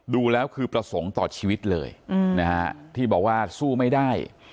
ดูแล้วคือประสงค์ต่อชีวิตเลยนะฮะที่บอกว่าสู้ไม่ได้